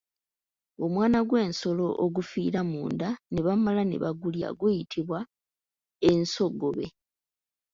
Omwana gw'ensolo ogufiira munda ne bamala ne bagulya guyitibwa ensongobe.